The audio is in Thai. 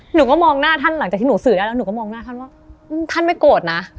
หนูก็มองหน้าท่านหลังจากที่หนูสื่อได้แล้วหนูก็มองหน้าท่านว่าท่านไม่โกรธนะ